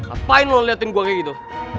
apaan lu liatin gua kayak gitu